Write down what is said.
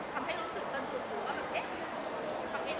ไม่ว่าตัวเองก็คือ